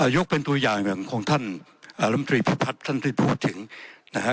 ยกเป็นตัวอย่างเหมือนของท่านอาลังกฤษภัทรท่านที่พูดถึงนะฮะ